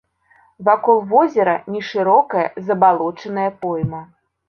Вакол возера нешырокая забалочаная пойма.